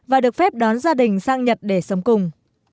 và được phép đón gia đình sang nhật để sống cùng